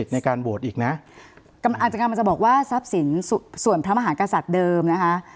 ในการโหวตอีกนะอาจจะกำลังจะบอกว่าทรัพย์สินส่วนพระมหากษัตริย์เดิมนะคะ